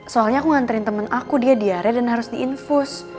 soalnya aku nganterin temen aku dia diare dan harus diinfus